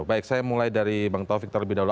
baik saya mulai dari bang taufik terlebih dahulu